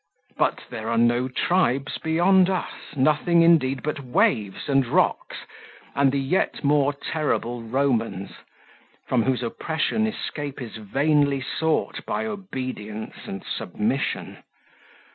But there are no tribes beyond us, nothing indeed but waves and rocks, and the yet more terrible Romans, from whose oppression escape is vainly sought by obedience and submission.